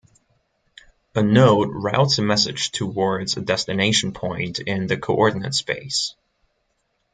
A node routes a message towards a destination point in the coordinate space.